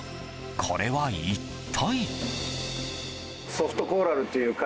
これは一体？